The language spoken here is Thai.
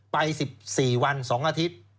ไป๑๔วัน๒อาทิตย์